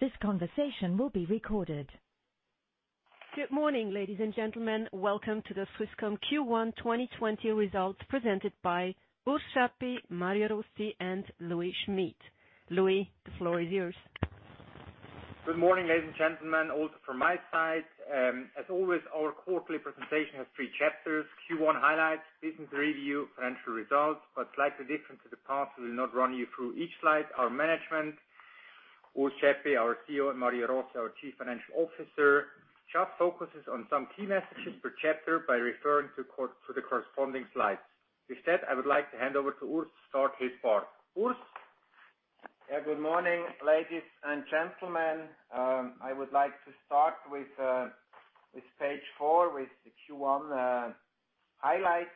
This conversation will be recorded. Good morning, ladies and gentlemen. Welcome to the Swisscom Q1 2020 results presented by Urs Schaeppi, and Louis Schmid. Louis, the floor is yours. Good morning, ladies and gentlemen, also from my side. As always, our quarterly presentation has three chapters, Q1 highlights, business review, financial results. Slightly different to the past, we will not run you through each slide. Our management, Urs Schaeppi, our CEO, and Mario Rossi, our Chief Financial Officer, just focuses on some key messages per chapter by referring to the corresponding slides. With that, I would like to hand over to Urs to start his part. Urs? Good morning, ladies and gentlemen. I would like to start with page four, with the Q1 highlights.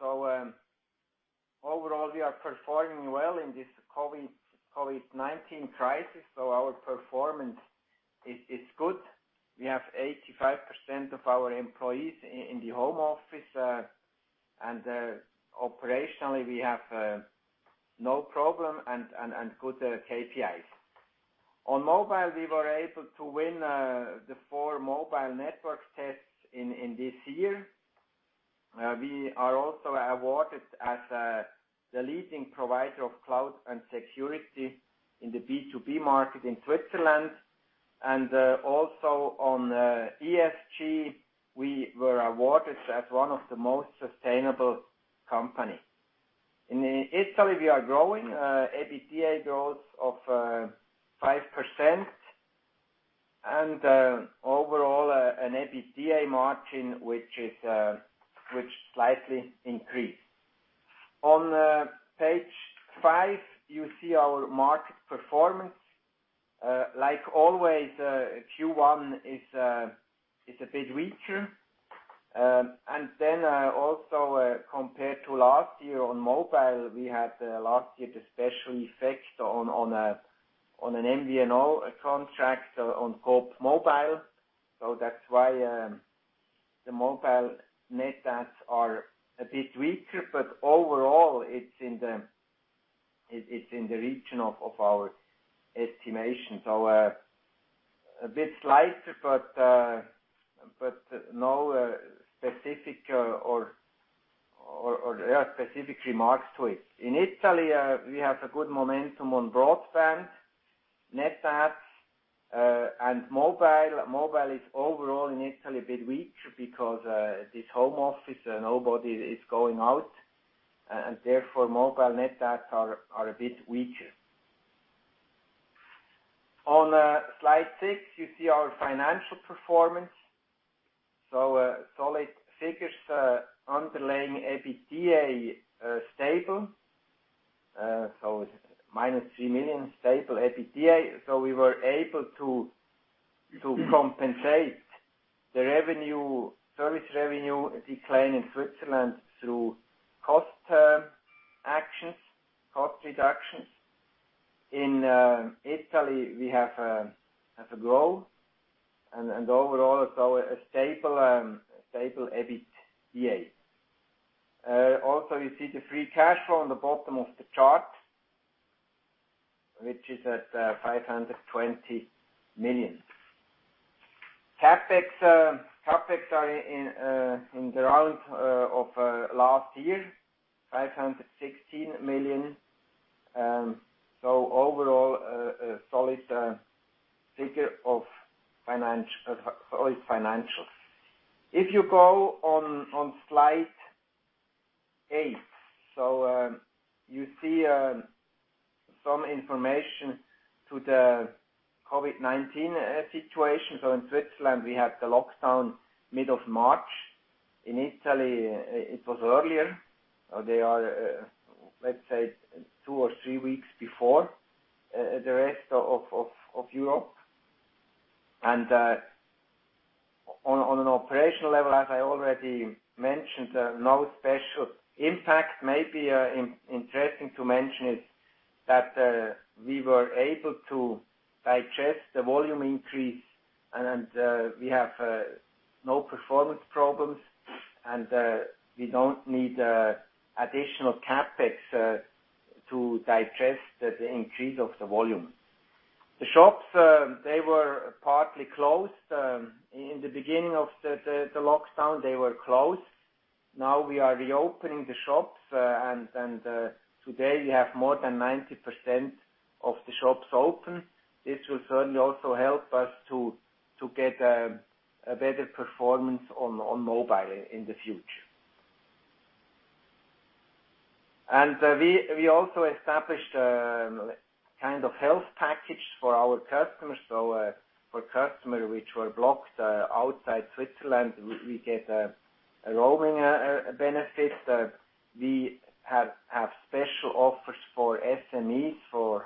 Overall, we are performing well in this COVID-19 crisis. Our performance is good. We have 85% of our employees in the home office. Operationally, we have no problem and good KPIs. On mobile, we were able to win the four mobile network tests in this year. We are also awarded as the leading provider of cloud and security in the B2B market in Switzerland, and also on ESG, we were awarded as one of the most sustainable company. In Italy, we are growing. EBITDA growth of 5%, and overall, an EBITDA margin, which slightly increased. On page five, you see our market performance. Like always, Q1 is a bit weaker. Also compared to last year on mobile, we had last year the special effects on an MVNO contract on Coop Mobile. That's why the mobile net adds are a bit weaker. Overall, it's in the region of our estimation. A bit lighter, but no specific remarks to it. In Italy, we have a good momentum on broadband net adds. Mobile is overall in Italy a bit weaker because this home office, nobody is going out, and therefore mobile net adds are a bit weaker. On slide six, you see our financial performance. Solid figures underlying EBITDA stable. It's minus 3 million stable EBITDA. We were able to compensate the service revenue decline in Switzerland through cost term actions, cost reductions. In Italy, we have a growth. Overall, a stable EBITDA. You see the free cash flow on the bottom of the chart, which is at 520 million. CapEx are in the round of last year, 516 million. Overall, a solid figure of financials. If you go on slide eight. You see some information to the COVID-19 situation. In Switzerland, we had the lockdown middle of March. In Italy, it was earlier. They are, let's say, two or three weeks before the rest of Europe. On an operational level, as I already mentioned, no special impact. Maybe interesting to mention is that we were able to digest the volume increase, and we have no performance problems. We don't need additional CapEx to digest the increase of the volume. The shops, they were partly closed. In the beginning of the lockdown, they were closed. We are reopening the shops, and today we have more than 90% of the shops open. This will certainly also help us to get a better performance on mobile in the future. We also established a kind of health package for our customers. For customer which were blocked outside Switzerland, we get a roaming benefit. We have special offers for SMEs, for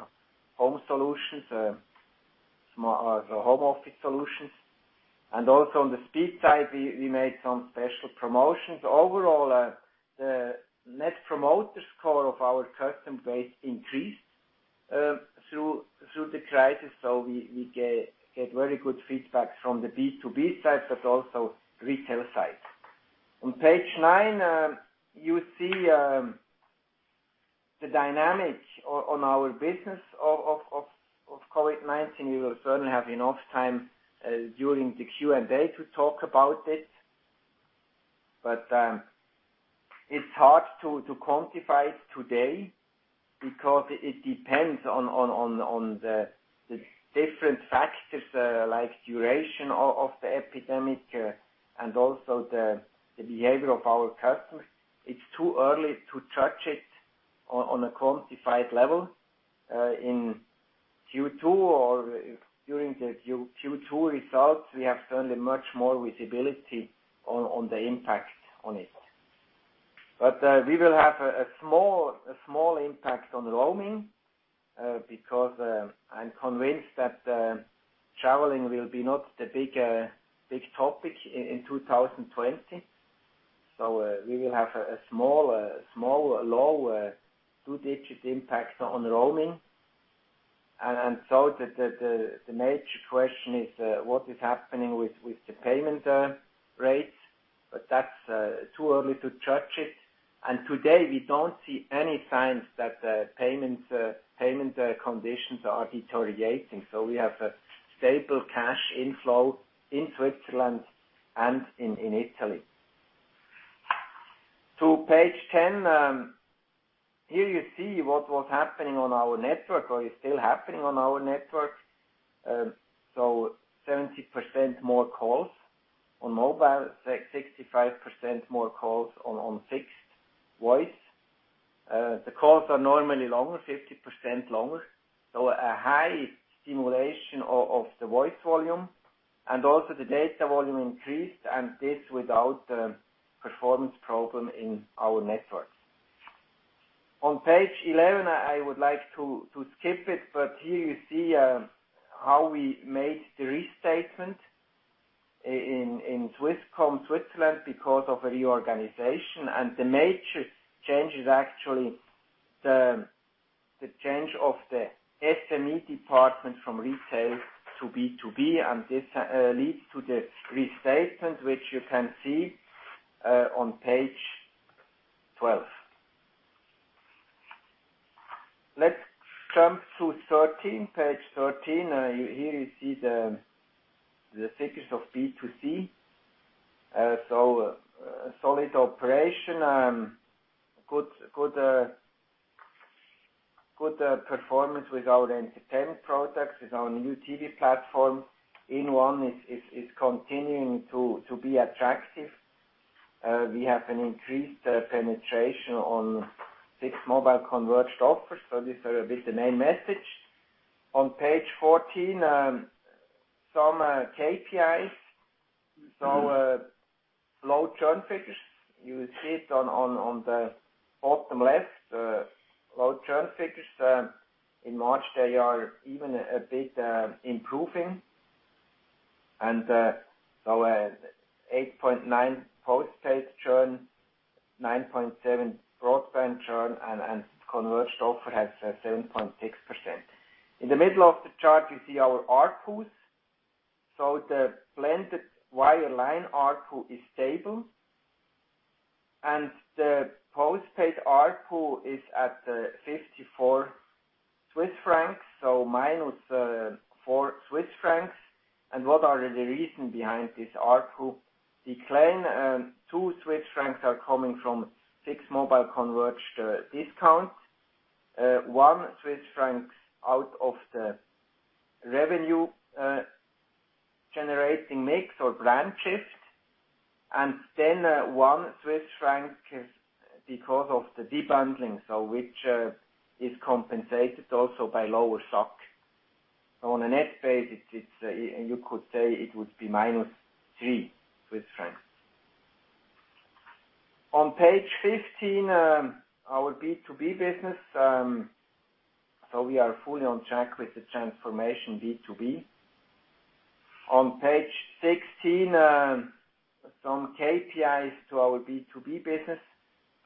home solutions, the home office solutions. Also on the speed side, we made some special promotions. Overall, the net promoter score of our customer base increased through the crisis. We get very good feedback from the B2B side but also retail side. On page nine, you see the dynamic on our business of COVID-19. We will certainly have enough time during the Q&A to talk about it. It's hard to quantify it today because it depends on the different factors like duration of the epidemic and also the behavior of our customers. It's too early to judge it on a quantified level. In Q2 or during the Q2 results, we have certainly much more visibility on the impact on it. We will have a small impact on roaming because I'm convinced that traveling will be not the big topic in 2020. We will have a small low 2-digit impact on roaming. The major question is what is happening with the payment rates, but that's too early to judge it. Today, we don't see any signs that the payment conditions are deteriorating. We have a stable cash inflow in Switzerland and in Italy. To page 10. Here you see what was happening on our network or is still happening on our network. 70% more calls on mobile, 65% more calls on fixed voice. The calls are normally longer, 50% longer. A high stimulation of the voice volume and also the data volume increased, and this without a performance problem in our network. On page 11, I would like to skip it, but here you see how we made the restatement in Swisscom Switzerland because of a reorganization. The major change is actually the change of the SME department from retail to B2B, and this leads to the restatement which you can see on page 12. Let's jump to 13. Page 13. Here you see the figures of B2C. A solid operation. Good performance with our entertainment products, with our new TV platform. inOne is continuing to be attractive. We have an increased penetration on inOne mobile converged offers. These are a bit the main message. On page 14, some KPIs. Low churn figures. You see it on the bottom left, low churn figures. In March, they are even a bit improving. 8.9 postpaid churn, 9.7 broadband churn, and converged offer has 7.6%. In the middle of the chart, you see our ARPU. The blended wireline ARPU is stable. The postpaid ARPU is at 54 Swiss francs, minus 4 Swiss francs. What are the reasons behind this ARPU decline? 2 Swiss francs are coming from inOne mobile converged discounts. 1 Swiss francs out of the revenue-generating mix or brand shift, 1 Swiss franc is because of the de-bundling. Which is compensated also by lower SRC. On a net basis, you could say it would be minus 3 Swiss francs. On page 15, our B2B business. We are fully on track with the transformation B2B. On page 16, some KPIs to our B2B business.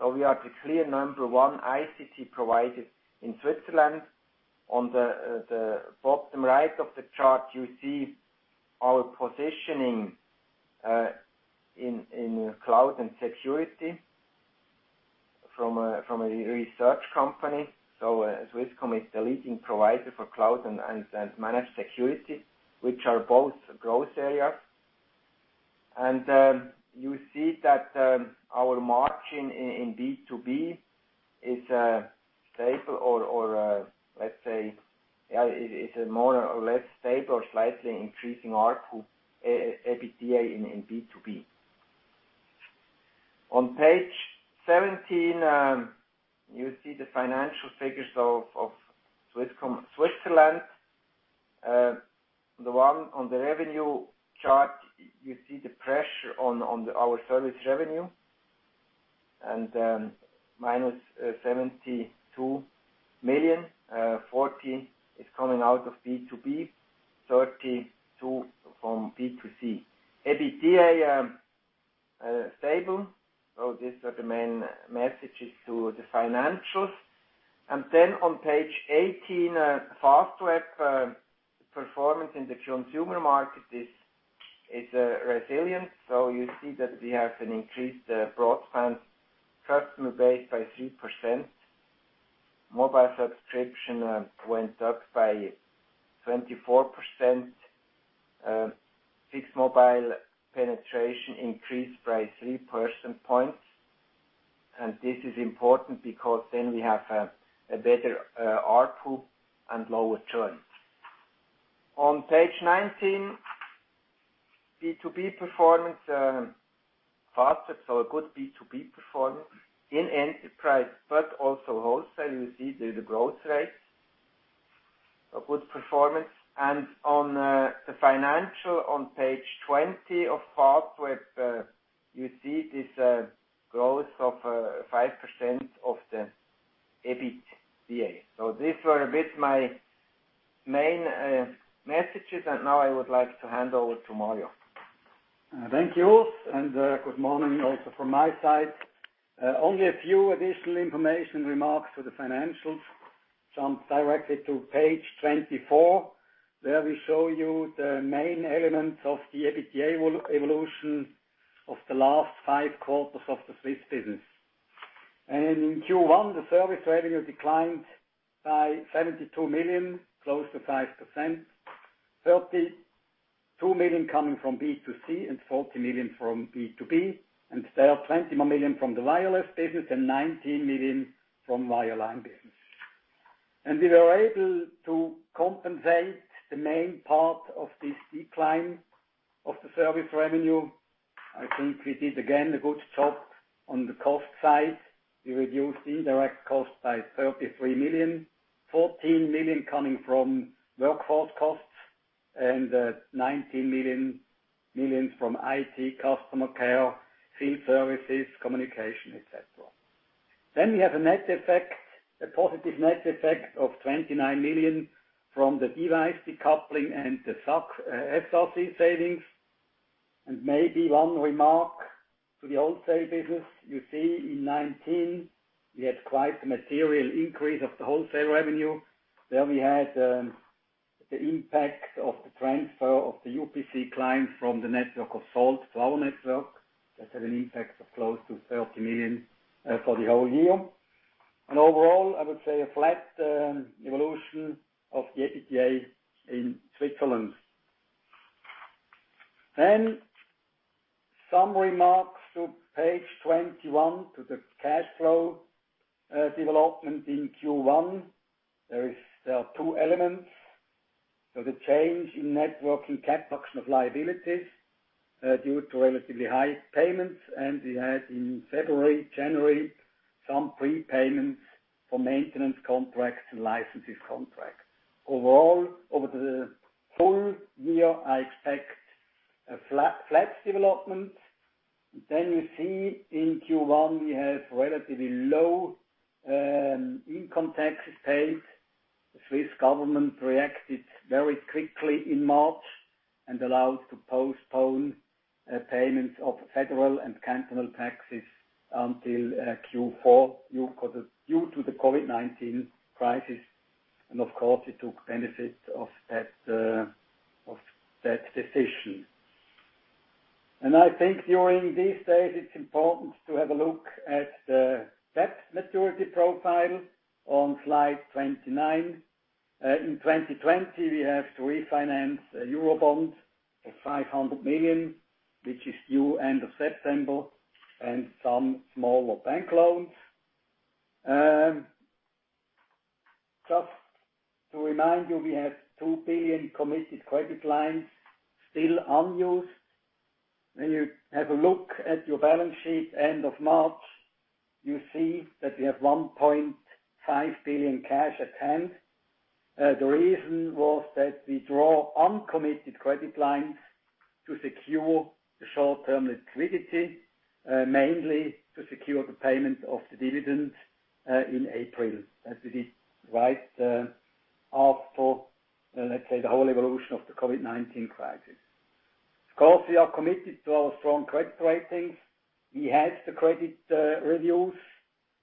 We are the clear number 1 ICT provider in Switzerland. On the bottom right of the chart, you see our positioning in cloud and security from a research company. Swisscom is the leading provider for cloud and managed security, which are both growth areas. You see that our margin in B2B is stable or let's say it's a more or less stable or slightly increasing ARPU, EBITDA in B2B. On page 17, you see the financial figures of Swisscom Switzerland. The one on the revenue chart, you see the pressure on our service revenue, and then minus 72 million. 40 is coming out of B2B, 32 from B2C. EBITDA, stable. These are the main messages to the financials. On page 18, Fastweb performance in the consumer market is resilient. You see that we have an increased broadband customer base by 3%. Mobile subscription went up by 24%. Fixed mobile penetration increased by 3 percentage points. This is important because then we have a better ARPU and lower churn. On page 19, B2B performance, Fastweb, a good B2B performance. In enterprise, but also wholesale, you see there the growth rates. A good performance. On the financial on page 20 of Fastweb, you see this growth of 5% of the EBITDA. These were a bit my main messages, and now I would like to hand over to Mario. Thank you. Good morning also from my side. Only a few additional information remarks for the financials. Jump directly to page 24, where we show you the main elements of the EBITDA evolution of the last five quarters of the Swiss business. In Q1, the service revenue declined by 72 million, close to 5%. 32 million coming from B2C and 40 million from B2B, and still 20 million from the wireless business and 19 million from wireline business. We were able to compensate the main part of this decline of the service revenue. I think we did, again, a good job on the cost side. We reduced indirect costs by 33 million, 14 million coming from workforce costs, and 19 million from IT, customer care, field services, communication, et cetera. We have a positive net effect of 29 million from the device decoupling and the SRC savings. Maybe one remark to the wholesale business. You see in 2019, we had quite a material increase of the wholesale revenue. There we had the impact of the transfer of the UPC client from the network of Salt to our network. That had an impact of close to 30 million for the whole year. Overall, I would say a flat evolution of the EBITDA in Switzerland. Some remarks to page 21, to the cash flow development in Q1. There are two elements. The change in net working capital of liabilities due to relatively high payments, and we had in February, January, some prepayments for maintenance contracts and licenses contracts. Overall, over the full year, I expect a flat development. We see in Q1, we have relatively low income taxes paid. The Swiss government reacted very quickly in March and allowed to postpone payments of federal and cantonal taxes until Q4 due to the COVID-19 crisis. Of course, we took benefit of that decision. I think during these days, it's important to have a look at the debt maturity profile on slide 29. In 2020, we have to refinance a eurobond of 500 million, which is due end of September, and some smaller bank loans. Just to remind you, we have 2 billion committed credit lines still unused. When you have a look at your balance sheet end of March, you see that we have 1.5 billion cash at hand. The reason was that we draw uncommitted credit lines to secure the short-term liquidity, mainly to secure the payment of the dividend in April, as we did right after, let's say, the whole evolution of the COVID-19 crisis. Of course, we are committed to our strong credit ratings. We had the credit reviews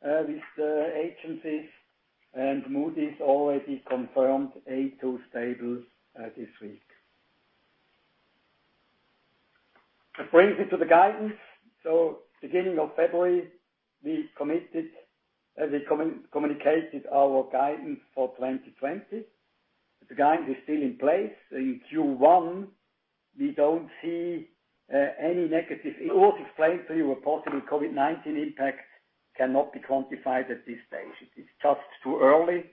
with the agencies. Moody's already confirmed A2 stable this week. That brings me to the guidance. Beginning of February, we communicated our guidance for 2020. The guidance is still in place. In Q1, we don't see any negative. Urs explained to you a possible COVID-19 impact cannot be quantified at this stage. It's just too early.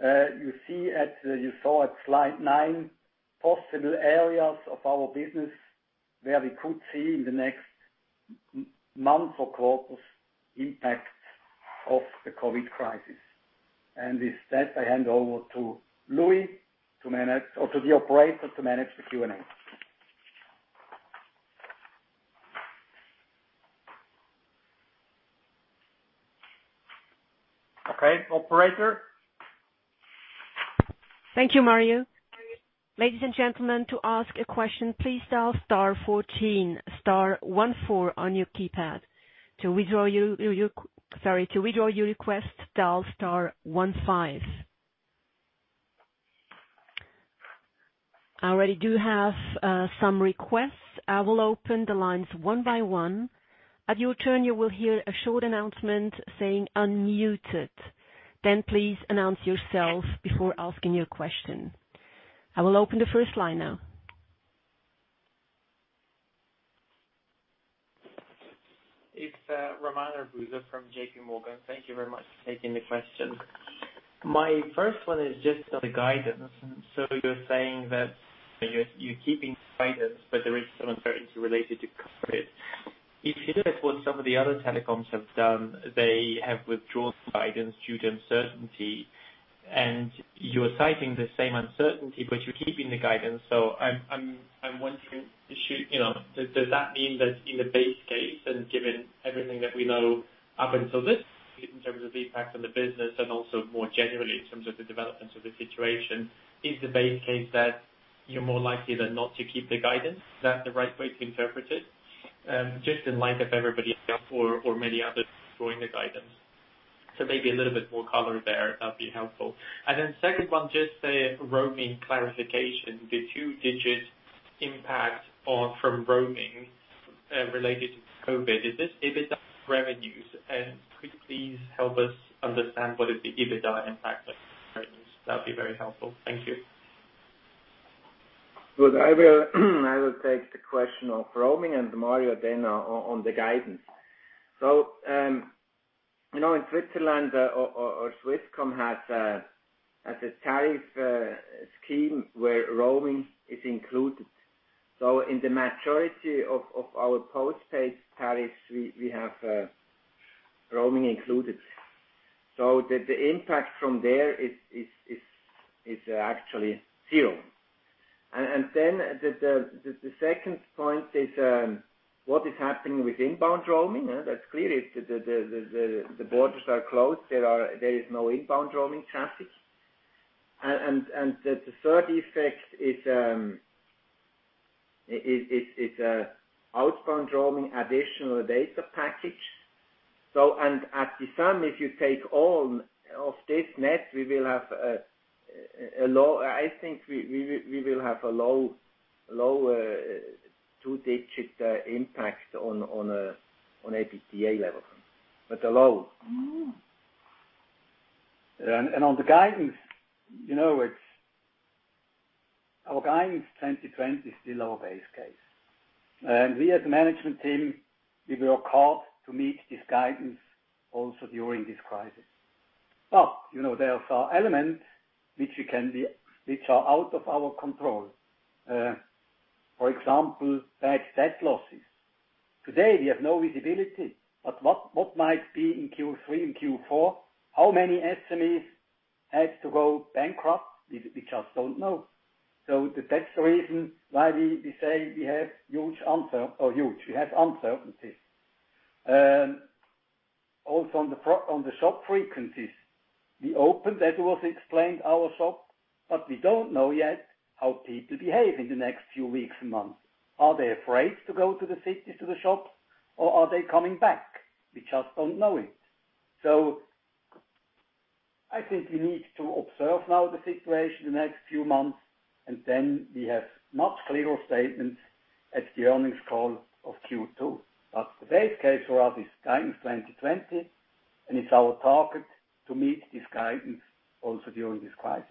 You saw at slide nine, possible areas of our business where we could see in the next months or quarters impacts of the COVID crisis. With that, I hand over to Louis to manage or to the operator to manage the Q&A. Okay, operator? Thank you, Mario. Ladies and gentlemen, to ask a question, please dial star one four, star one four on your keypad. To withdraw your request, dial star one five. I already do have some requests. I will open the lines one by one. At your turn, you will hear a short announcement saying, "Unmuted." Please announce yourself before asking your question. I will open the first line now. It's Roman Arbuzov from JPMorgan. Thank you very much for taking the question. My first one is just on the guidance. You're saying that you're keeping guidance, but there is some uncertainty related to COVID. If you look at what some of the other telecoms have done, they have withdrawn guidance due to uncertainty, and you're citing the same uncertainty, but you're keeping the guidance. I'm wondering, does that mean that in the base case and given everything that we know up until this in terms of impact on the business and also more generally in terms of the developments of the situation, is the base case that you're more likely than not to keep the guidance? Is that the right way to interpret it? Just in light of everybody else or many others withdrawing the guidance. Maybe a little bit more color there, that'd be helpful. Second one, just a roaming clarification. The two-digit impact from roaming, related to COVID. Is this EBITDA revenues? Could you please help us understand what is the EBITDA impact on revenues? That would be very helpful. Thank you. I will take the question of roaming. Mario then on the guidance. In Switzerland, Swisscom has a tariff scheme where roaming is included. In the majority of our postpaid tariffs, we have roaming included. The impact from there is actually zero. The second point is, what is happening with inbound roaming. That's clear. The borders are closed. There is no inbound roaming traffic. The third effect is outbound roaming, additional data package. At the sum, if you take all of this net, I think we will have a low two-digit impact on EBITDA level, but low. On the guidance. Our guidance 2020 is still our base case. We as a management team, we will call to meet this guidance also during this crisis. There are elements which are out of our control. For example, bad debt losses. Today, we have no visibility, what might be in Q3 and Q4, how many SMEs have to go bankrupt? We just don't know. That's the reason why we say we have huge uncertainties. Also, on the shop frequencies. We opened, as it was explained, our shop, we don't know yet how people behave in the next few weeks and months. Are they afraid to go to the cities, to the shops, or are they coming back? We just don't know it. I think we need to observe now the situation the next few months, we have much clearer statements at the earnings call of Q2. The base case for us is guidance 2020, it's our target to meet this guidance also during this crisis.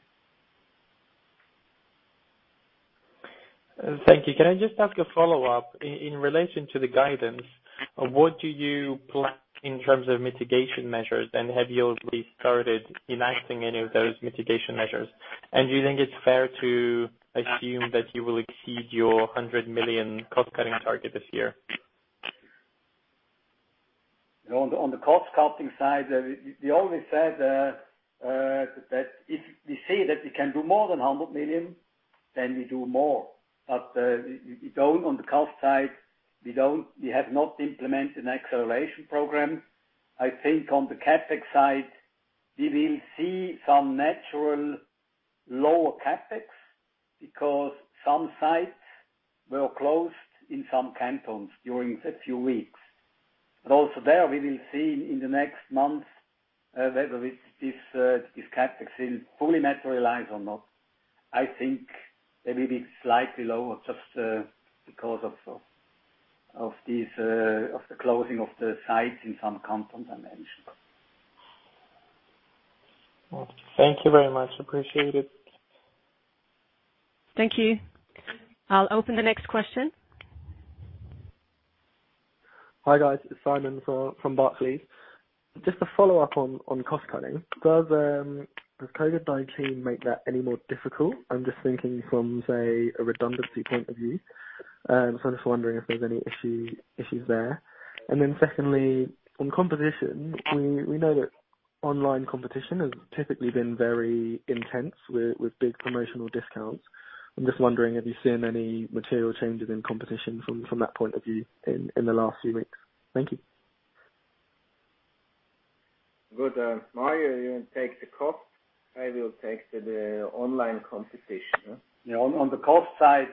Thank you. Can I just ask a follow-up? In relation to the guidance, what do you plan in terms of mitigation measures, and have you already started enacting any of those mitigation measures? Do you think it's fair to assume that you will exceed your 100 million cost-cutting target this year? On the cost-cutting side, we always said that if we see that we can do more than 100 million, then we do more. On the cost side, we have not implemented an acceleration program. I think on the CapEx side, we will see some natural lower CapEx because some sites were closed in some cantons during a few weeks. Also there, we will see in the next months, whether this CapEx will fully materialize or not. I think they may be slightly lower just because of the closing of the sites in some cantons I mentioned. Thank you very much. Appreciate it. Thank you. I'll open the next question. Hi, guys. It's Simon from Barclays. Just to follow up on cost-cutting. Does COVID-19 make that any more difficult? I'm just thinking from, say, a redundancy point of view. I'm just wondering if there's any issues there. Secondly, on competition, we know that online competition has typically been very intense with big promotional discounts. I'm just wondering, have you seen any material changes in competition from that point of view in the last few weeks? Thank you. Good. Mario, you take the cost, I will take the online competition. On the cost side,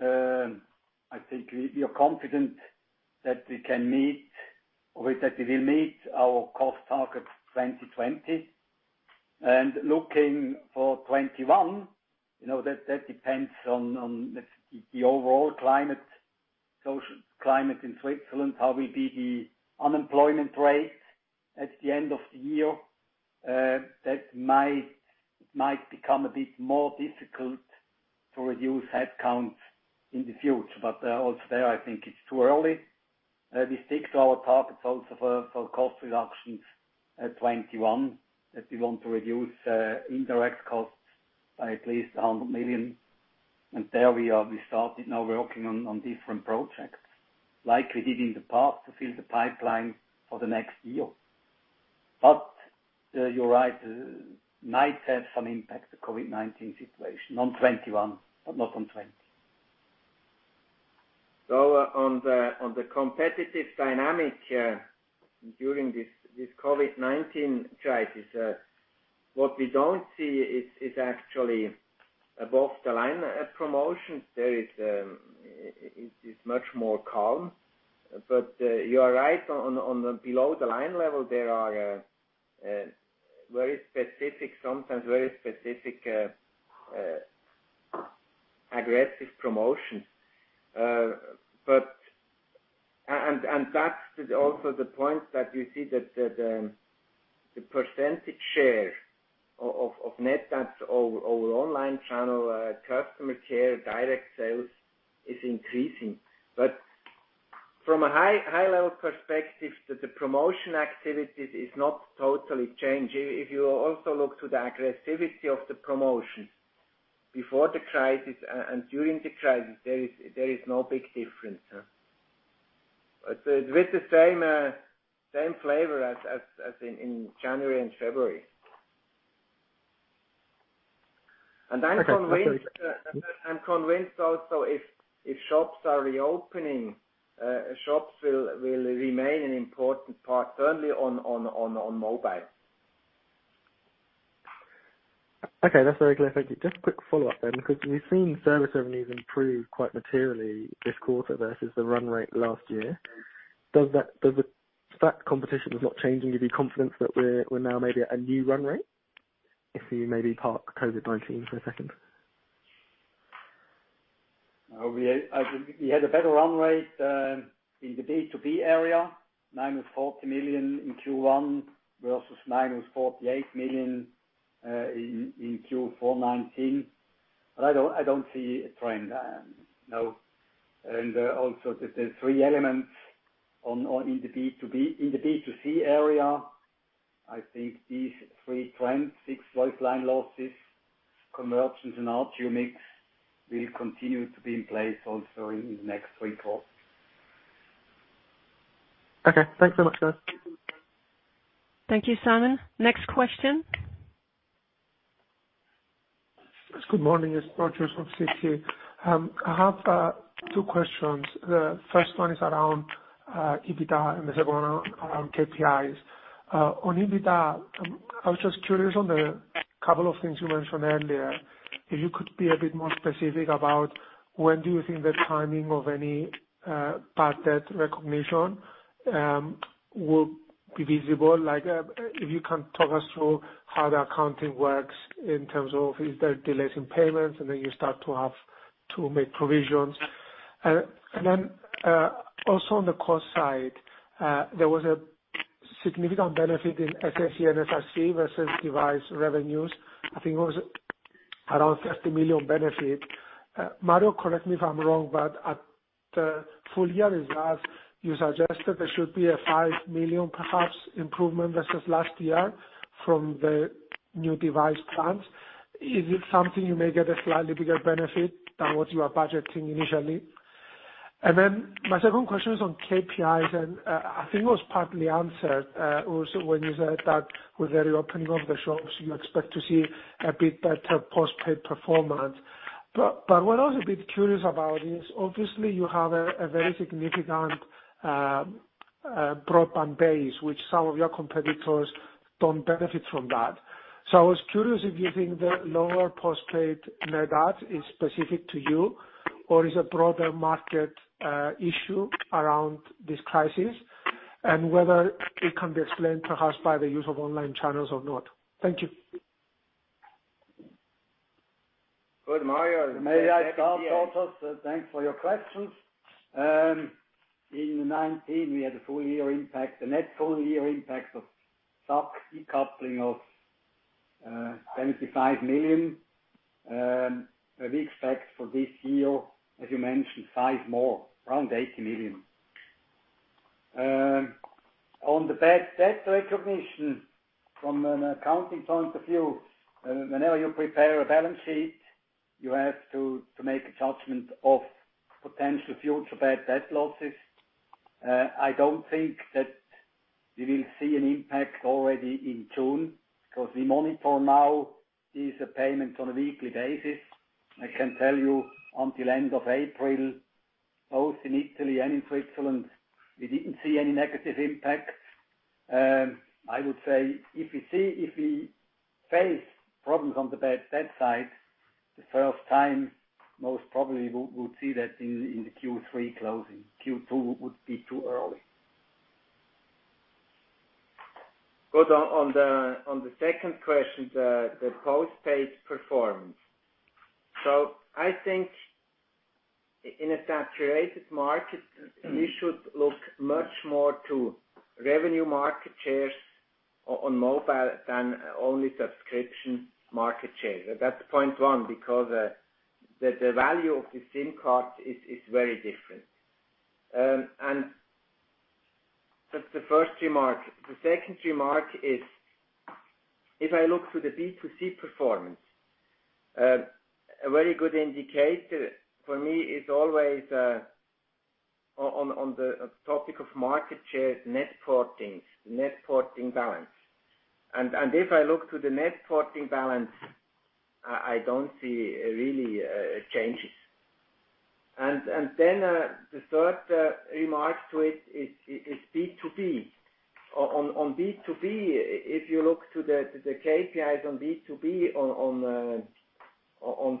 I think we are confident that we will meet our cost target 2020. Looking for 2021, that depends on the overall social climate in Switzerland, how will be the unemployment rate at the end of the year. That might become a bit more difficult to reduce headcounts in the future. Also there, I think it's too early. We stick to our targets also for cost reductions at 2021, that we want to reduce indirect costs by at least 100 million. There we started now working on different projects, like we did in the past, to fill the pipeline for the next year. You're right, might have some impact, the COVID-19 situation, on 2021, but not on 2020. On the competitive dynamic during this COVID-19 crisis, what we don't see is actually above-the-line promotions. It is much more calm. You are right, on the below-the-line level, there are sometimes very specific aggressive promotions. That's also the point that you see that the percentage share of net adds over online channel, customer care, direct sales is increasing. From a high-level perspective, the promotion activities is not totally changing. If you also look to the aggressivity of the promotions before the crisis and during the crisis, there is no big difference. With the same flavor as in January and February. I'm convinced also if shops are reopening, shops will remain an important part, certainly on mobile. Okay. That's very clear. Thank you. Just a quick follow-up, because we've seen service revenues improve quite materially this quarter versus the run rate last year. Does the fact competition is not changing give you confidence that we're now maybe at a new run rate, if we maybe park COVID-19 for a second? We had a better run rate in the B2B area, minus 40 million in Q1 versus minus 48 million in Q4 2019. I don't see a trend. No. Also there's three elements in the B2C area. I think these three trends, fixed lifeline losses, conversions, and ARPU mix, will continue to be in place also in the next three quarters. Okay. Thanks so much, guys. Thank you, Simon. Next question. Good morning. It's Georgios from Citi. I have two questions. The first one is around EBITDA and the second one around KPIs. On EBITDA, I was just curious on the couple of things you mentioned earlier. If you could be a bit more specific about when do you think the timing of any bad debt recognition will be visible? If you can talk us through how the accounting works in terms of if there are delays in payments and then you start to make provisions. Also on the cost side, there was a significant benefit in SAC and SRC versus device revenues. I think it was around 50 million benefit. Mario, correct me if I'm wrong, but at the full year results, you suggested there should be a 5 million, perhaps, improvement versus last year from the new device plans. Is it something you may get a slightly bigger benefit than what you are budgeting initially? My second question is on KPIs, and I think it was partly answered also when you said that with the reopening of the shops, you expect to see a bit better postpaid performance. What I was a bit curious about is, obviously you have a very significant broadband base, which some of your competitors don't benefit from that. I was curious if you think the lower postpaid net add is specific to you or is a broader market issue around this crisis, and whether it can be explained perhaps by the use of online channels or not. Thank you. Good. Mario. May I start also? Thanks for your questions. In 2019, we had a full year impact, the net full-year impact of device decoupling of 75 million. We expect for this year, as you mentioned, five more, around 80 million. On the bad debt recognition, from an accounting point of view, whenever you prepare a balance sheet, you have to make a judgment of potential future bad debt losses. I don't think that we will see an impact already in June, because we monitor now these payments on a weekly basis. I can tell you until end of April, both in Italy and in Switzerland, we didn't see any negative impact. I would say, if we face problems on the bad debt side the first time, most probably we'll see that in the Q3 closing. Q2 would be too early. Good. On the second question, the postpaid performance. I think in a saturated market, we should look much more to revenue market shares on mobile than only subscription market share. That's point one, because the value of the SIM card is very different. That's the first remark. The second remark is, if I look to the B2C performance, a very good indicator for me is always, on the topic of market share, net porting balance. If I look to the net porting balance, I don't see really changes. The third remark to it is B2B. On B2B, if you look to the KPIs on B2B on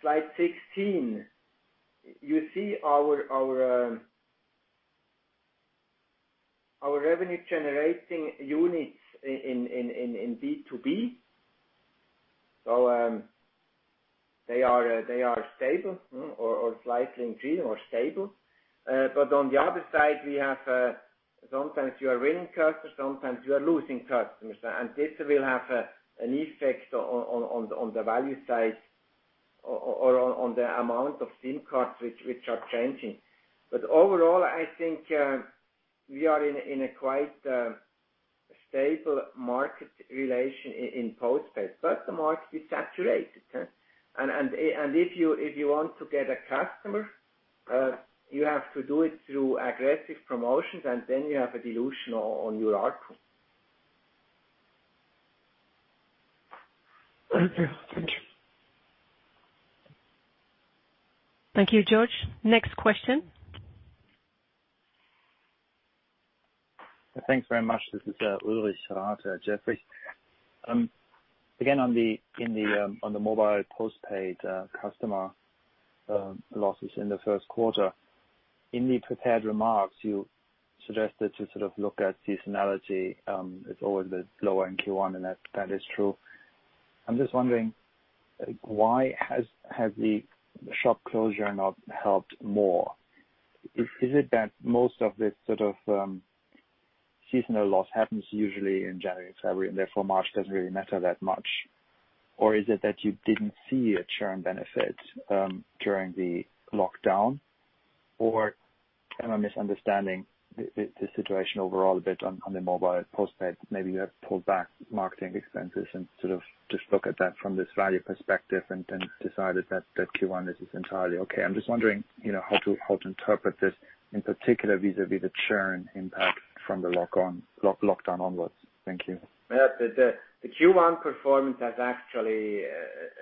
slide 16, you see our revenue-generating units in B2B. They are stable or slightly increasing or stable. On the other side, we have sometimes you are winning customers, sometimes you are losing customers. This will have an effect on the value side or on the amount of SIM cards which are changing. Overall, I think we are in a quite stable market relation in postpaid. The market is saturated. If you want to get a customer, you have to do it through aggressive promotions, and then you have a dilution on your ARPU. Okay. Thank you. Thank you, George. Next question. Thanks very much. This is Ulrich Rathe, Jefferies. Again, on the mobile postpaid customer losses in the first quarter. In the prepared remarks, you suggested to sort of look at seasonality. It's always a bit lower in Q1, and that is true. I'm just wondering, why has the shop closure not helped more? Is it that most of this sort of seasonal loss happens usually in January, February, and therefore March doesn't really matter that much? Or is it that you didn't see a churn benefit during the lockdown? Or am I misunderstanding the situation overall a bit on the mobile postpaid? Maybe you have pulled back marketing expenses and sort of just looked at that from this value perspective and then decided that Q1, this is entirely okay. I'm just wondering how to interpret this, in particular vis-a-vis the churn impact from the lockdown onwards. Thank you. The Q1 performance has actually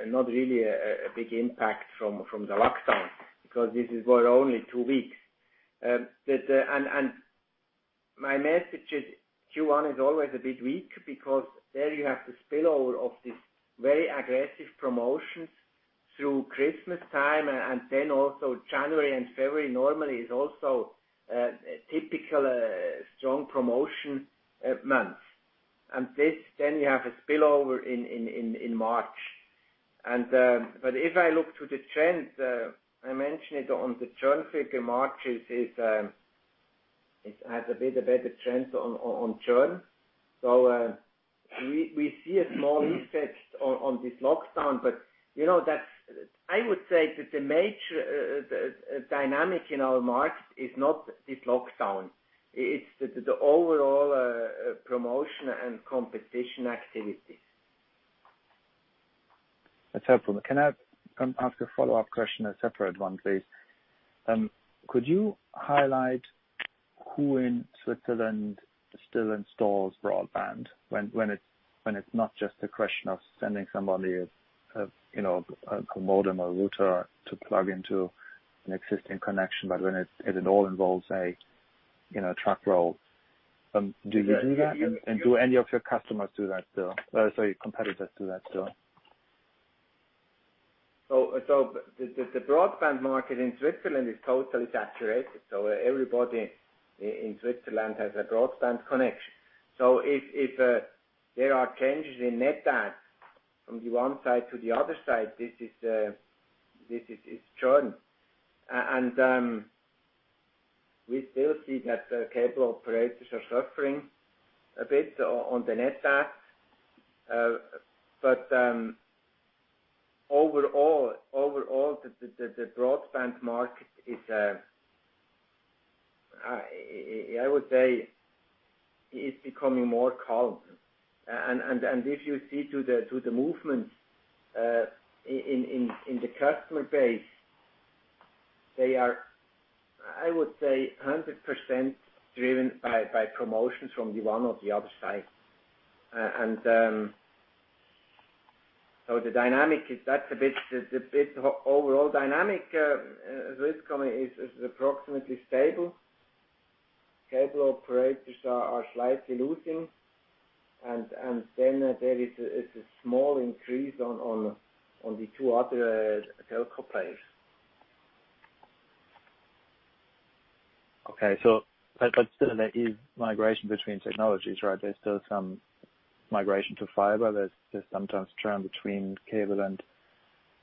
not really a big impact from the lockdown, because this was only two weeks. My message is Q1 is always a bit weak because there you have the spillover of these very aggressive promotions through Christmas time, then also January and February normally is also a typical strong promotion month. Then you have a spillover in March. If I look to the trend, I mentioned it on the churn figure, March has a bit of a trend on churn. We see a small effect on this lockdown. I would say that the major dynamic in our market is not this lockdown. It's the overall promotion and competition activities. That's helpful. Can I ask a follow-up question, a separate one, please? Could you highlight who in Switzerland still installs broadband when it's not just a question of sending somebody a modem or router to plug into an existing connection, but when it all involves a truck roll? Do you do that? And do any of your competitors do that still? The broadband market in Switzerland is totally saturated. Everybody in Switzerland has a broadband connection. If there are changes in net adds from one side to the other side, this is churn. We still see that the cable operators are suffering a bit on the net adds. Overall, the broadband market is, I would say, is becoming more calm. If you see to the movements in the customer base They are, I would say, 100% driven by promotions from the one or the other side. The dynamic, the overall dynamic at Swisscom is approximately stable. Cable operators are slightly losing. There is a small increase on the two other telco players. Okay. Still, there is migration between technologies, right? There's still some migration to fiber. There's sometimes churn between cable and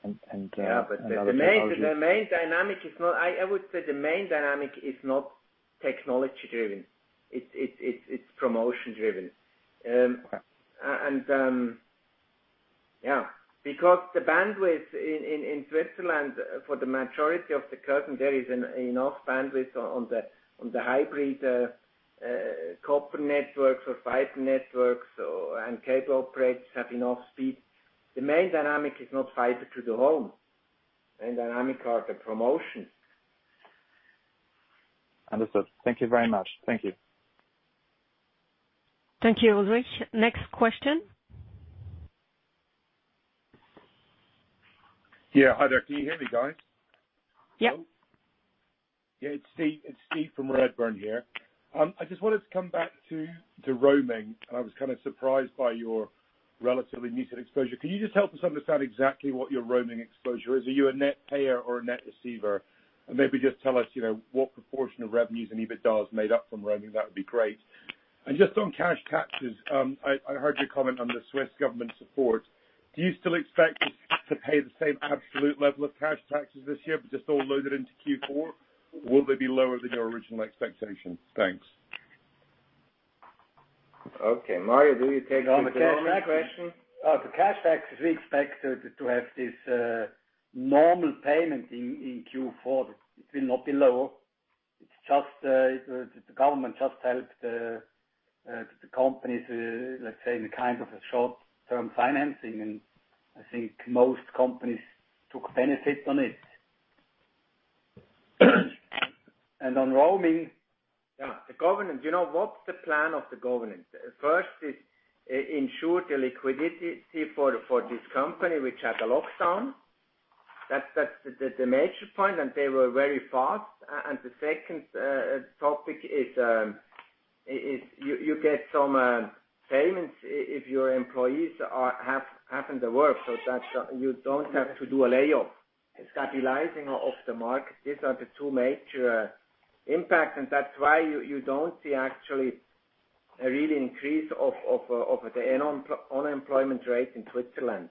other technologies. Yeah, I would say the main dynamic is not technology-driven. It's promotion-driven. Yeah. The bandwidth in Switzerland, for the majority of the current, there is enough bandwidth on the hybrid copper networks or fiber networks and cable operators have enough speed. The main dynamic is not fiber to the home. The main dynamic are the promotions. Understood. Thank you very much. Thank you. Thank you, Ulrich. Next question. Yeah. Hi there. Can you hear me, guys? Yep. Yeah, it's Steve from Redburn here. I just wanted to come back to roaming. I was kind of surprised by your relatively muted exposure. Can you just help us understand exactly what your roaming exposure is? Are you a net payer or a net receiver? Maybe just tell us what proportion of revenues and EBITDA made up from roaming. That would be great. Just on cash taxes, I heard your comment on the Swiss government support. Do you still expect to pay the same absolute level of cash taxes this year, but just all loaded into Q4? Will they be lower than your original expectations? Thanks. Okay. Mario, do you take this one? No, I'm taking that question. The cash taxes, we expect to have this normal payment in Q4. It will not be lower. The government just helped the companies, let's say, in a kind of a short-term financing. I think most companies took benefit on it. Yeah, the government. What's the plan of the government? First is ensure the liquidity for this company, which had a lockdown. That's the major point. They were very fast. The second topic is you get some payments if your employees are having the work, so that you don't have to do a layoff. Stabilizing of the market. These are the two major impacts. That's why you don't see actually a real increase of the unemployment rate in Switzerland.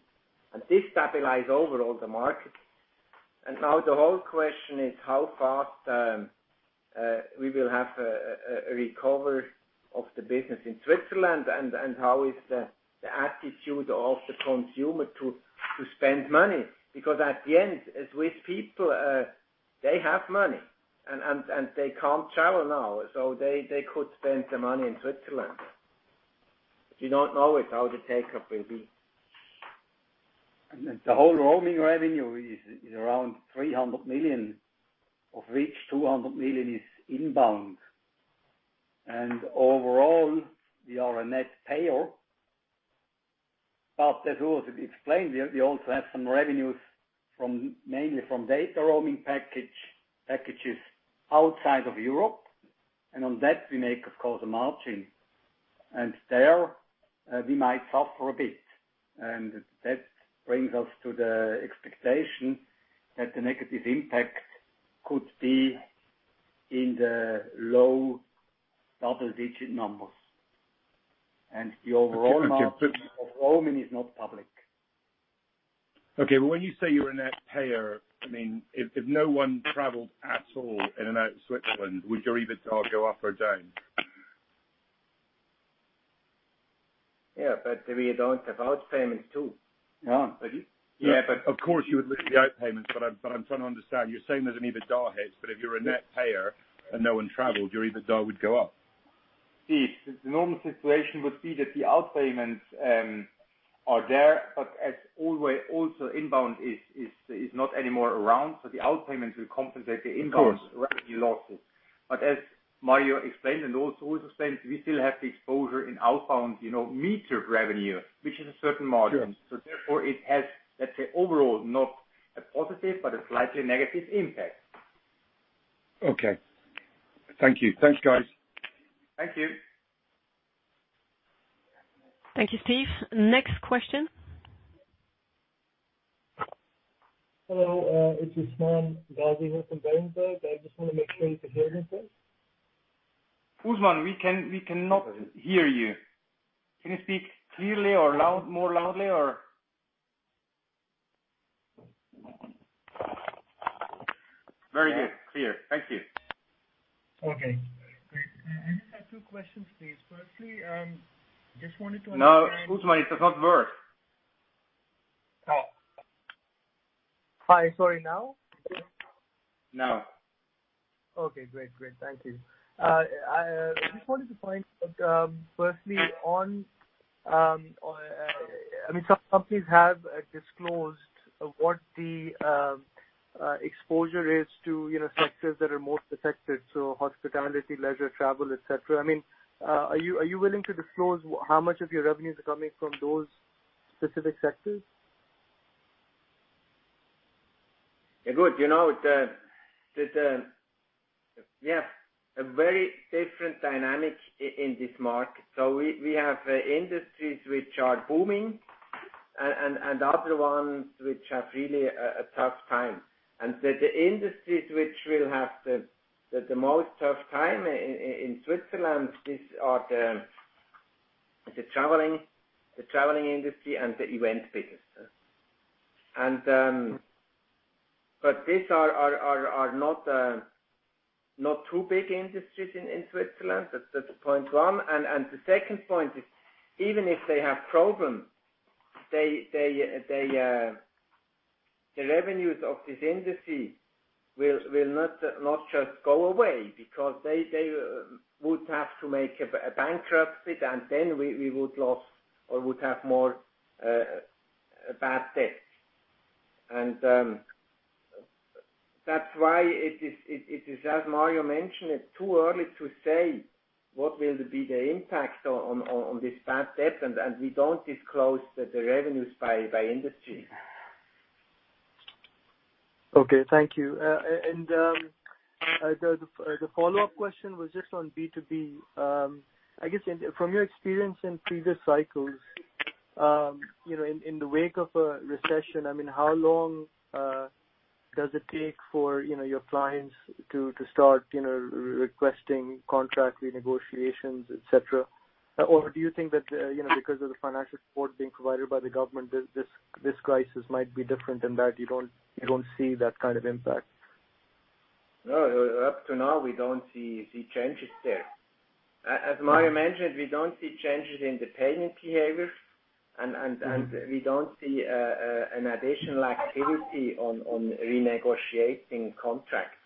This stabilize overall the market. Now the whole question is how fast we will have a recover of the business in Switzerland and how is the attitude of the consumer to spend money. At the end, Swiss people, they have money, and they can't travel now, so they could spend the money in Switzerland. We don't know how the take-up will be. The whole roaming revenue is around 300 million, of which 200 million is inbound. Overall, we are a net payer. As Ulrich explained, we also have some revenues mainly from data roaming packages outside of Europe. On that, we make, of course, a margin. There, we might suffer a bit. That brings us to the expectation that the negative impact could be in the low double-digit numbers. The overall margin of roaming is not public. Okay. When you say you're a net payer, if no one traveled at all in and out of Switzerland, would your EBITDA go up or down? Yeah. We don't have outpayments too. Yeah. Of course, you would look at the outpayments. I'm trying to understand. You're saying there's an EBITDA hit, but if you're a net payer and no one traveled, your EBITDA would go up. Steve, the normal situation would be that the outpayments are there, but as always, also inbound is not anymore around. The outpayments will compensate the inbound revenue losses. As Mario explained, and Ulrich also explained, we still have the exposure in outbound metered revenue, which is a certain margin. Therefore, it has, let's say, overall, not a positive but a slightly negative impact. Okay. Thank you. Thanks, guys. Thank you. Thank you, Steve. Next question. Hello. It's Usman Ghazi from Berenberg. I just want to make sure you can hear me, please. Usman, we cannot hear you. Can you speak clearly or more loudly? Very good. Clear. Thank you. Okay, great. I just have two questions, please. Firstly, just wanted to understand. No, Usman, it does not work. Hi, sorry. Now? No. Great. Thank you. I just wanted to point out firstly, some companies have disclosed what the exposure is to sectors that are most affected, so hospitality, leisure, travel, et cetera. Are you willing to disclose how much of your revenues are coming from those specific sectors? Good. We have a very different dynamic in this market. We have industries which are booming and other ones which have really a tough time. The industries which will have the most tough time in Switzerland, these are the traveling industry and the event business. These are not too big industries in Switzerland. That's point 1. The second point is, even if they have problems, the revenues of this industry will not just go away because they would have to make a bankruptcy, then we would lose or would have more bad debt. That's why it is, as Mario mentioned, it's too early to say what will be the impact on these bad debts, and we don't disclose the revenues by industry. Okay. Thank you. The follow-up question was just on B2B. I guess from your experience in previous cycles, in the wake of a recession, how long does it take for your clients to start requesting contract renegotiations, et cetera? Do you think that, because of the financial support being provided by the government, this crisis might be different in that you won't see that kind of impact? No, up to now, we don't see changes there. As Mario mentioned, we don't see changes in the payment behavior, and we don't see an additional activity on renegotiating contracts.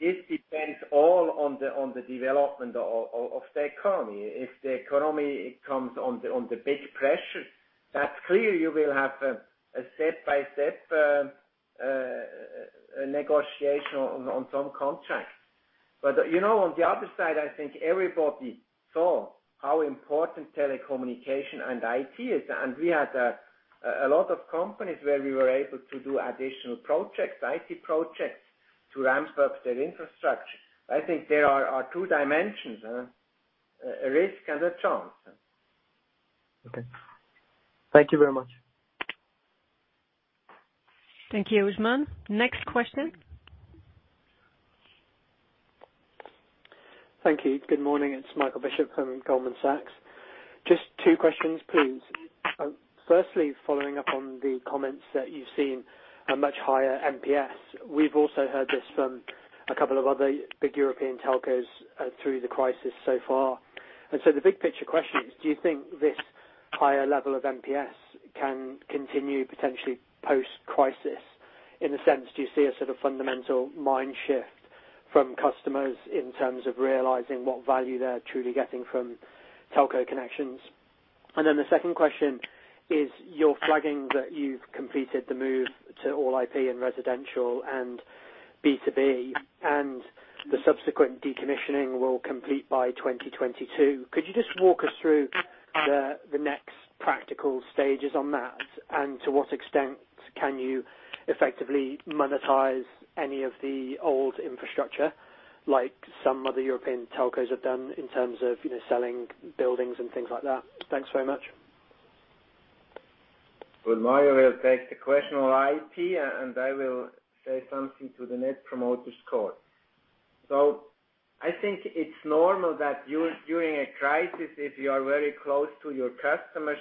This depends all on the development of the economy. If the economy comes under big pressure, that's clear you will have a step-by-step negotiation on some contracts. On the other side, I think everybody saw how important telecommunication and IT is. We had a lot of companies where we were able to do additional projects, IT projects, to ramp up their infrastructure. I think there are two dimensions: risk and a chance. Okay. Thank you very much. Thank you, Usman. Next question. Thank you. Good morning. It's Michael Bishop from Goldman Sachs. Just two questions, please. Firstly, following up on the comments that you've seen a much higher NPS. We've also heard this from a couple of other big European telcos through the crisis so far. The big picture question is: Do you think this higher level of NPS can continue potentially post-crisis? In a sense, do you see a sort of fundamental mind shift from customers in terms of realizing what value they're truly getting from telco connections? The second question is, you're flagging that you've completed the move to All IP and residential and B2B, and the subsequent decommissioning will complete by 2022. Could you just walk us through the next practical stages on that? To what extent can you effectively monetize any of the old infrastructure like some other European telcos have done in terms of selling buildings and things like that? Thanks very much. Mario will take the question on IP, and I will say something to the Net Promoter Score. I think it's normal that during a crisis, if you are very close to your customers,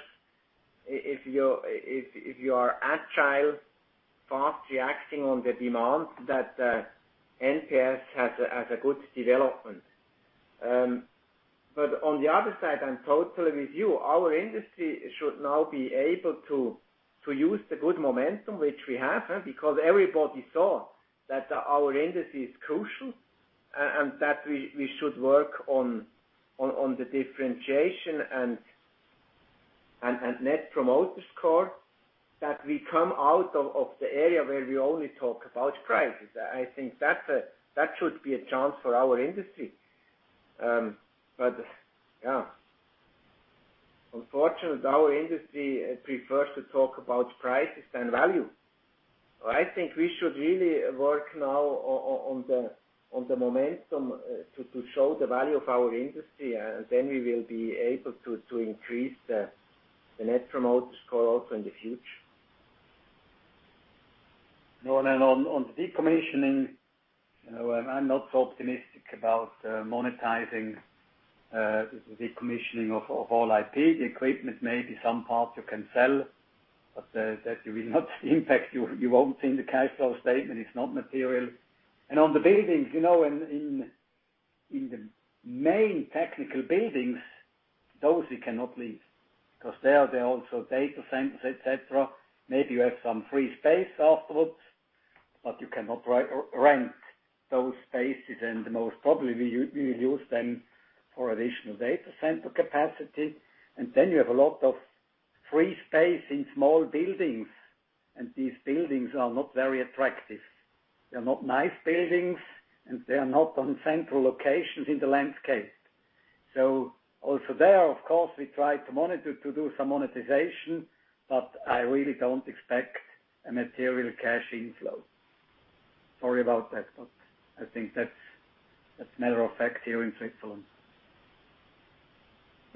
if you are agile, fast reacting on the demand, that NPS has a good development. On the other side, I'm totally with you. Our industry should now be able to use the good momentum which we have, because everybody saw that our industry is crucial, and that we should work on the differentiation and Net Promoter Score, that we come out of the area where we only talk about prices. I think that should be a chance for our industry. Yeah. Unfortunately, our industry prefers to talk about prices than value. I think we should really work now on the momentum to show the value of our industry, and then we will be able to increase the Net Promoter Score also in the future. On decommissioning, I'm not so optimistic about monetizing the decommissioning of All IP. The equipment may be some parts you can sell, but that will not impact you. You won't see in the cash flow statement. It's not material. On the buildings, in the main technical buildings, those we cannot leave, because there are also data centers, et cetera. Maybe you have some free space afterwards, but you cannot rent those spaces. Most probably, we will use them for additional data center capacity. Then you have a lot of free space in small buildings, and these buildings are not very attractive. They're not nice buildings, and they are not on central locations in the landscape. Also there, of course, we try to monitor to do some monetization, but I really don't expect a material cash inflow. Sorry about that, but I think that's a matter of fact here in Switzerland.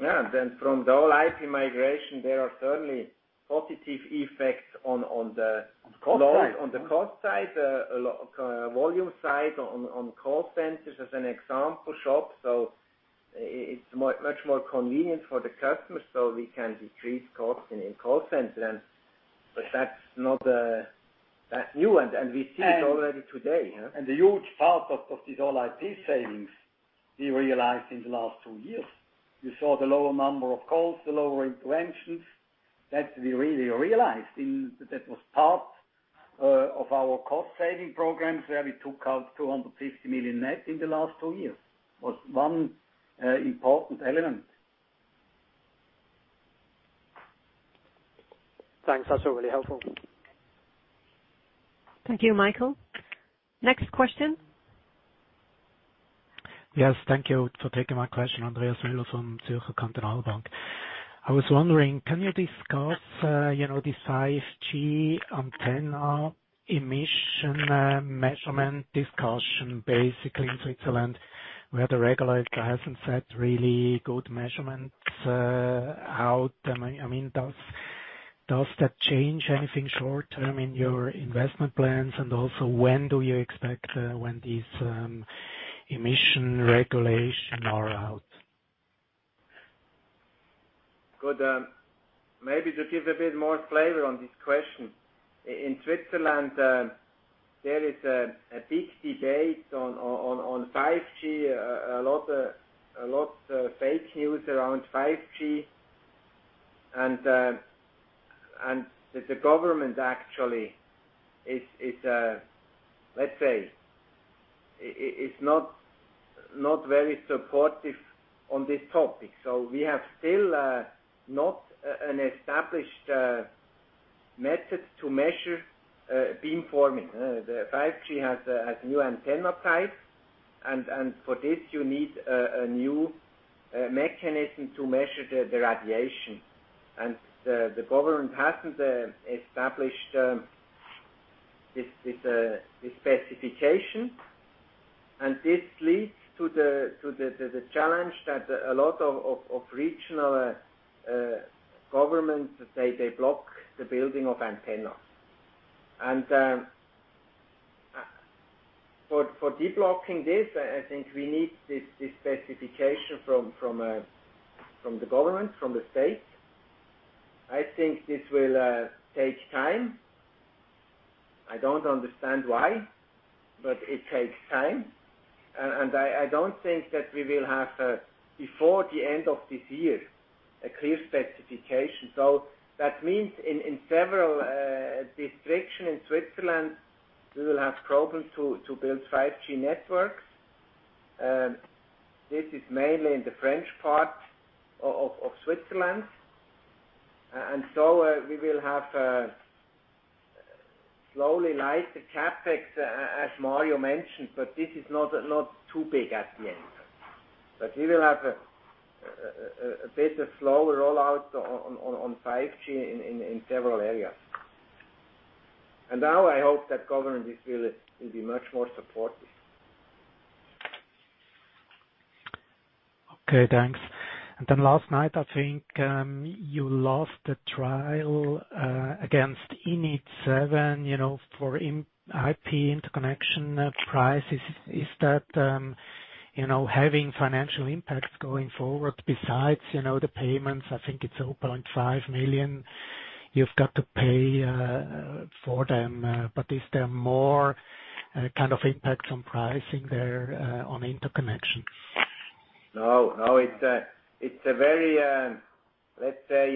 Yeah. From the All IP migration, there are certainly positive effects. On the cost side. On the cost side, volume side, on call centers as an example, shops. It's much more convenient for the customer, so we can decrease costs in call centers. That's new, and we see it already today. The huge part of these All IP savings, we realized in the last two years. You saw the lower number of calls, the lower interventions. That we really realized, and that was part of our cost-saving programs, where we took out 250 million net in the last two years. Was one important element. Thanks. That's really helpful. Thank you, Michael. Next question. Yes. Thank you for taking my question, Andreas Müller from Zürcher Kantonalbank. I was wondering, can you discuss this 5G antenna emission measurement discussion basically in Switzerland, where the regulator hasn't set really good measurements out? Does that change anything short-term in your investment plans? Also, when do you expect these emission regulations are out? Good. Maybe to give a bit more flavor on this question. In Switzerland, there is a big debate on 5G, a lot fake news around 5G. The government actually, let's say, is not very supportive on this topic. We have still not an established method to measure beamforming. The 5G has new antenna types, for this you need a new mechanism to measure the radiation. The government hasn't established this specification. This leads to the challenge that a lot of regional governments, they block the building of antennas. For deblocking this, I think we need this specification from the government, from the state. I think this will take time. I don't understand why, it takes time. I don't think that we will have, before the end of this year, a clear specification. That means in several districts in Switzerland, we will have problems to build 5G networks. This is mainly in the French part of Switzerland. We will have a slowly lighter CapEx, as Mario mentioned, but this is not too big at the end. We will have a bit of slow rollout on 5G in several areas. Now I hope that government will be much more supportive. Okay, thanks. Last night, I think, you lost the trial against Init7 for IP interconnection prices. Is that having financial impacts going forward besides the payments? I think it's 0.5 million you've got to pay for them. Is there more impact on pricing there on interconnection? No. It's a very, let's say,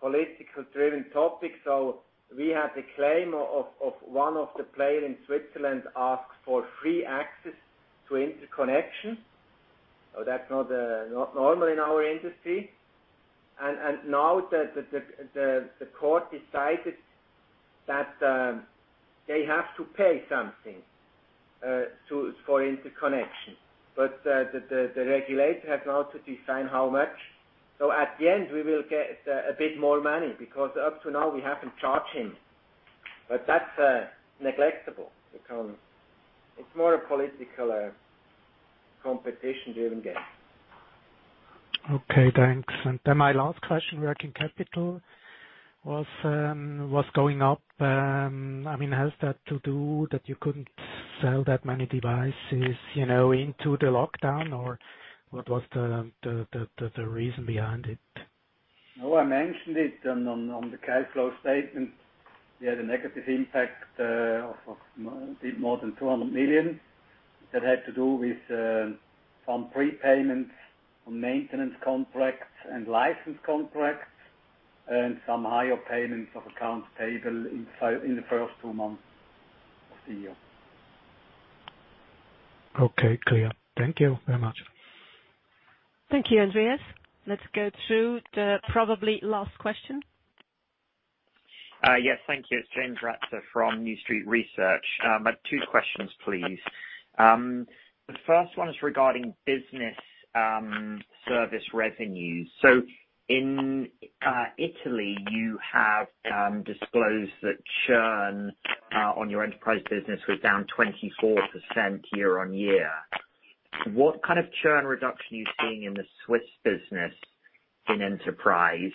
political-driven topic. We had a claim of one of the players in Switzerland ask for free access to interconnection. That's not normal in our industry. Now the court decided that they have to pay something for interconnection. The regulator has now to decide how much. At the end, we will get a bit more money, because up to now, we haven't charged him. That's neglectable. It's more a political competition-driven game. Okay, thanks. My last question, working capital was going up. Has that to do that you couldn't sell that many devices into the lockdown, or what was the reason behind it? No, I mentioned it on the cash flow statement. We had a negative impact of a bit more than 200 million. That had to do with some prepayments on maintenance contracts and license contracts and some higher payments of accounts payable in the first two months of the year. Okay, clear. Thank you very much. Thank you, Andreas. Let's go to the probably last question. Yes. Thank you. It's James Ratzer from New Street Research. I have two questions, please. The first one is regarding business service revenues. In Italy, you have disclosed that churn on your enterprise business was down 24% year on year. What kind of churn reduction are you seeing in the Swiss business in enterprise?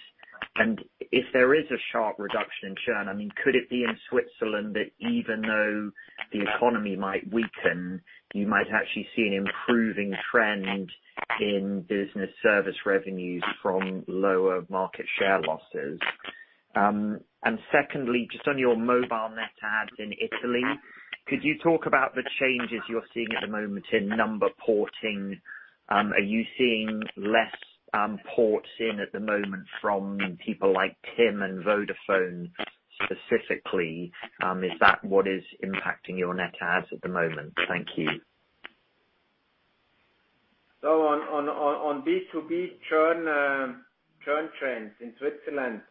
If there is a sharp reduction in churn, could it be in Switzerland that even though the economy might weaken, you might actually see an improving trend in business service revenues from lower market share losses? Secondly, just on your mobile net adds in Italy, could you talk about the changes you're seeing at the moment in number porting? Are you seeing less ports in at the moment from people like TIM and Vodafone specifically? Is that what is impacting your net adds at the moment? Thank you. On B2B churn trends in Switzerland,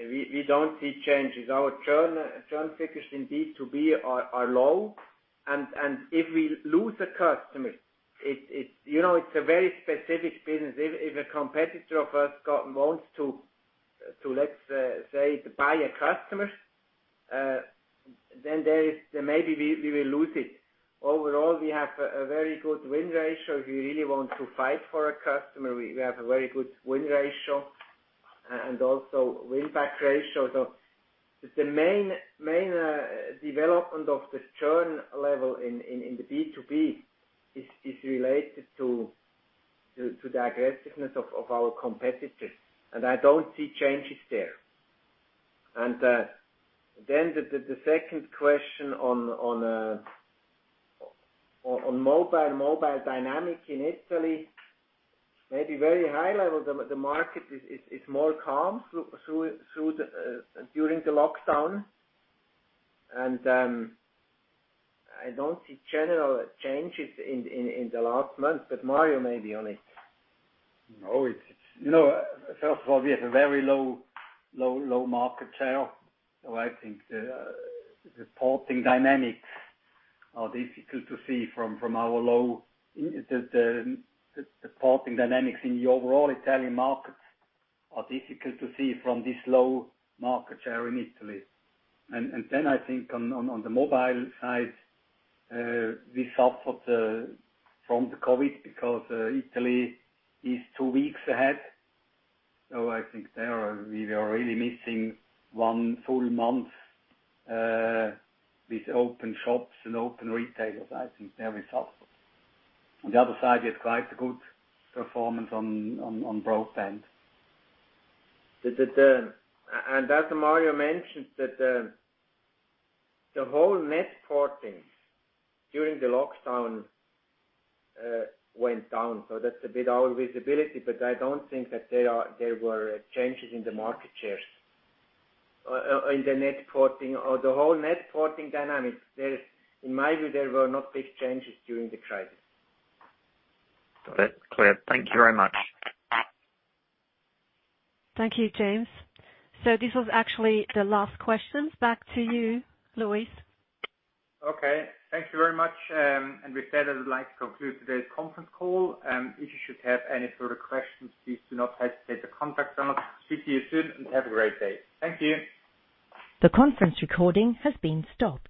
we don't see changes. Our churn figures in B2B are low, and if we lose a customer, it's a very specific business. If a competitor of us wants to, let's say, buy a customer, then maybe we will lose it. Overall, we have a very good win ratio. If you really want to fight for a customer, we have a very good win ratio and also win-back ratio. The main development of the churn level in the B2B is related to the aggressiveness of our competitors. I don't see changes there. The second question on mobile dynamic in Italy, maybe very high level, the market is more calm during the lockdown. I don't see general changes in the last month, Mario may be on it. No. First of all, we have a very low market share. I think the porting dynamics are difficult to see from our low. The porting dynamics in the overall Italian markets are difficult to see from this low market share in Italy. I think on the mobile side, we suffered from the COVID because Italy is two weeks ahead. I think there, we are really missing one full month with open shops and open retailers. I think there we suffer. On the other side, we have quite a good performance on broadband. As Mario mentioned, the whole net porting during the lockdown went down. That's a bit out of visibility, but I don't think that there were changes in the market shares or in the net porting or the whole net porting dynamics. In my view, there were no big changes during the crisis. That's clear. Thank you very much. Thank you, James. This was actually the last question. Back to you, Louis. Okay. Thank you very much. With that, I would like to conclude today's conference call. If you should have any further questions, please do not hesitate to contact us. We'll see you soon, and have a great day. Thank you. The conference recording has been stopped.